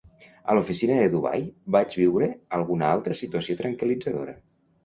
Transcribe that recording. A l'oficina de Dubai vaig viure alguna altra situació tranquil·litzadora.